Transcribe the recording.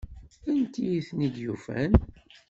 Anti ay ten-id-yufan?